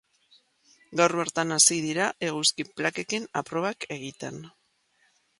Gaur bertan hasi dira, eguzki plakekin aprobak egiten.